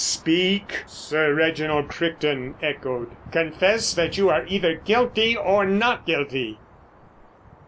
"Speak!" Sir Reginald Crichton echoed. "Confess that you are either guilty—or not guilty."